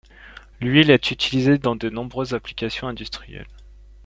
L'huile est utilisée dans de nombreuses applications industrielles.